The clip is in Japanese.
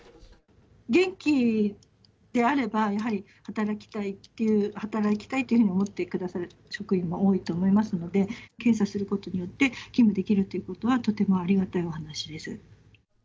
元気であれば、やはり働きたいっていうふうに思ってくださる職員も多いと思いますので、検査することによって、勤務できるということは、とてもありがたいお話です。